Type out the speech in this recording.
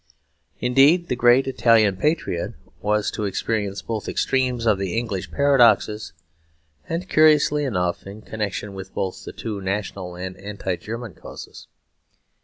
Indeed the great Italian patriot was to experience both extremes of the English paradox, and, curiously enough, in connection with both the two national and anti German causes.